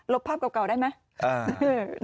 บภาพเก่าได้ไหม